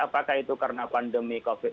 apakah itu karena pandemi covid sembilan belas